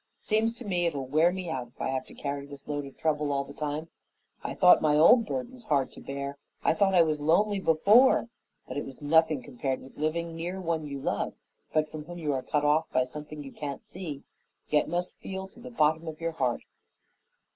Seems to me it'll wear me out if I have to carry this load of trouble all the time. I thought my old burdens hard to bear; I thought I was lonely before, but it was nothing compared with living near one you love, but from whom you are cut off by something you can't see, yet must feel to the bottom of your heart."